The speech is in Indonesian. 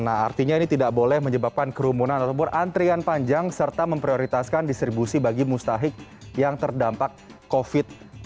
nah artinya ini tidak boleh menyebabkan kerumunan ataupun antrian panjang serta memprioritaskan distribusi bagi mustahik yang terdampak covid sembilan belas